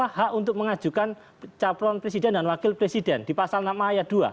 apa hak untuk mengajukan capron presiden dan wakil presiden di pasal nama ayat dua